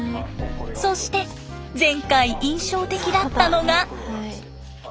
そして前回印象的だったのが。